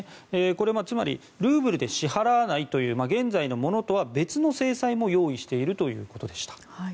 これはつまりルーブルで支払わないという現在のものとは別の制裁も用意しているということでした。